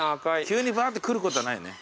急にばって来ることはないね。